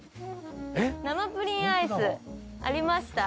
生プリンアイスありました。